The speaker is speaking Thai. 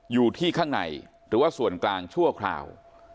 อยู่ที่ข้างในหรือว่าส่วนกลางชั่วคราว